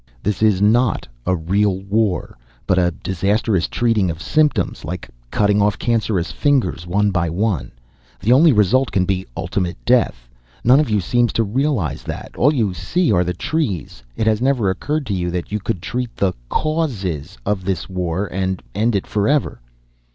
"This is not a real war, but a disastrous treating of symptoms. Like cutting off cancerous fingers one by one. The only result can be ultimate death. None of you seem to realize that. All you see are the trees. It has never occurred to you that you could treat the causes of this war and end it forever."